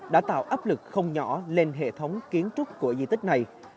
đã tạo áp lực không nhỏ lên hệ thống kiến trúc của di tích này